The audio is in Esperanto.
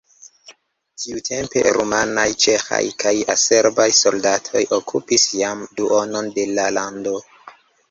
Tiutempe rumanaj, ĉeĥaj kaj serbaj soldatoj okupis jam duonon de la lando.